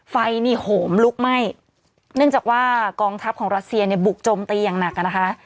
ไฟนี่โหมลุกไหม้เนื่องจากว่ากองทัพของรัสเซียเนี่ยบุกจมตีอย่างหนักอ่ะนะคะ